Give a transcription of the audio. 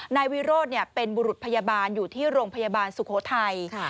นายวิโรธเป็นบุรุษพยาบาลอยู่ที่โรงพยาบาลสุโขทัย